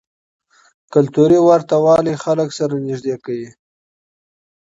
کلتوري ورته والی خلک سره نږدې کوي.